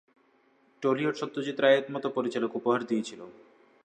Tollywood Satyajit রায়ের মতো পরিচালক উপহার দিয়েছিল।